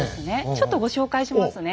ちょっとご紹介しますね。